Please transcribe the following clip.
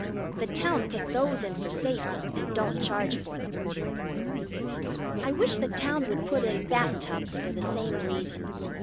The town put those in for safety, and don't charge for them. I wish the town would put in bath tubs for the same reason.